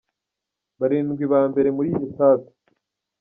Barindwi ba mbere muri iyi etape.